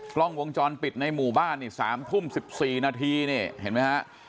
กล้องวงจรปิดในหมู่บ้านนี่๓ทุ่ม๑๔นาทีนี่เห็นไหมฮะ